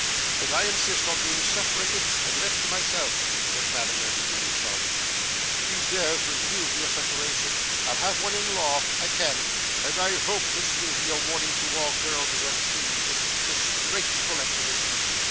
'And I insist on being separated and left to myself,' said Madame Mantalini, sobbing. 'If he dares to refuse me a separation, I'll have one in law I can and I hope this will be a warning to all girls who have seen this disgraceful exhibition.